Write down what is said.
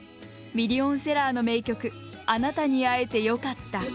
ミリオンセラーの名曲「あなたに会えてよかった」。